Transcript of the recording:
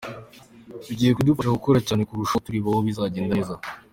Bigiye kudufasha gukora cyane kurushaho, tureba aho bitagenda neza.